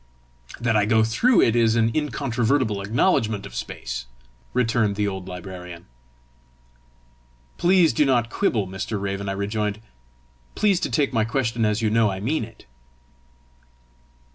"That I go through it is an incontrovertible acknowledgement of space," returned the old librarian. "Please do not quibble, Mr. Raven," I rejoined. "Please to take my question as you know I mean it."